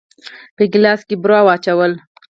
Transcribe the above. په ګيلاس کې يې بوره واچوله.